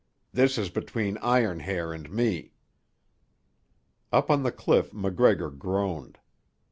"This is between Iron Hair and me." Up on the cliff MacGregor groaned.